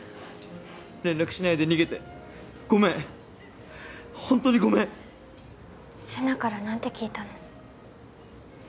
連絡しないで逃げてごめんホントにごめん世奈から何て聞いたの？